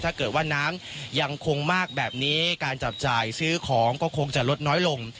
ถ้าเกิดว่าน้ำยังคงมากแบบนี้การจับจ่ายซื้อของก็คงจะลดน้อยลง